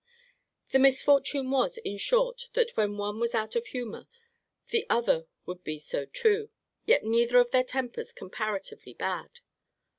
The misfortune was, in short, that when one was out of humour, the other would be so too: yet neither of their tempers comparatively bad.